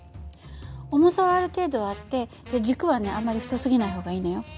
重さはある程度あって軸はねあんまり太すぎない方がいいのよ。